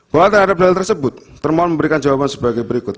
bahwa terhadap hal tersebut termohon memberikan jawaban sebagai berikut